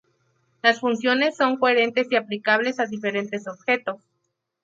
Las funciones son coherentes y aplicables a diferentes objetos.